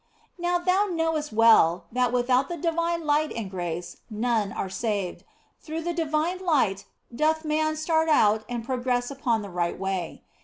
Now thou knowest well that without the divine light and grace none are saved ; through the divine light doth man start out and progress upon the right way.